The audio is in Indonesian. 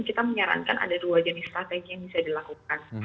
kita menyarankan ada dua jenis strategi yang bisa dilakukan